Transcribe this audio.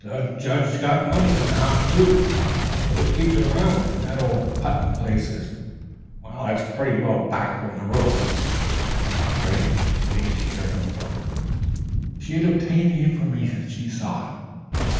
The judge's got money in the house, too. He always keeps it around, and that old Putnam place is pretty well back from the road." Grace waited to hear no more. She had obtained the information she sought.